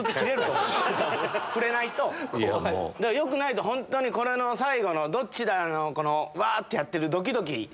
良くないとホントにこの間の最後の「どっちだ⁉」のこのワってやってるドキドキ。